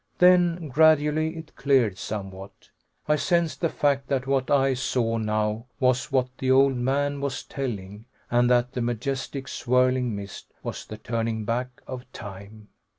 Then, gradually, it cleared somewhat. I sensed the fact that what I saw now was what the old man was telling, and that the majestic, swirling mist was the turning back of time.